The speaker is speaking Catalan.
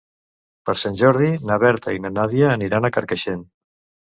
Per Sant Jordi na Berta i na Nàdia aniran a Carcaixent.